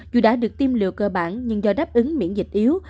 dù đã được tiêm liều cơ bản nhưng do đáp ứng miễn dịch yếu